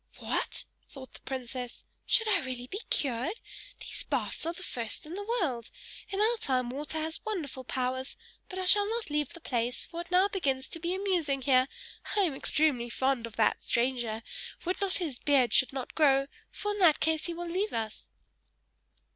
"What!" thought the princess. "Should I really be cured! These baths are the first in the world! In our time water has wonderful powers. But I shall not leave the place, for it now begins to be amusing here. I am extremely fond of that stranger: would that his beard should not grow, for in that case he will leave us!"